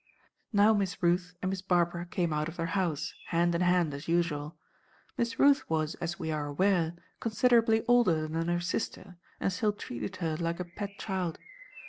Now Miss Ruth and Miss Barbara came out of their house, hand in hand, as usual. Miss Ruth was, as we are aware, considerably older than her sister, and still treated her like a pet child.